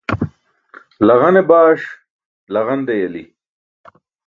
Laġane baṣ laġan deyali.